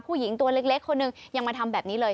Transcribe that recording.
ผู้หญิงตัวเล็กคนหนึ่งยังมาทำแบบนี้เลย